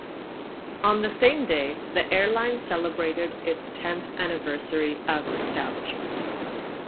On the same day, the airline celebrated its tenth anniversary of establishment.